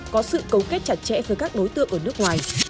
có sự cấu kết chặt chẽ với các đối tượng ở nước ngoài